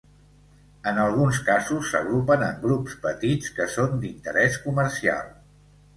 En alguns casos s'agrupen en grups petits que són d'interès comercial.